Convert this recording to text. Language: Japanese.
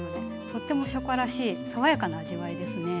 とっても初夏らしい爽やかな味わいですね。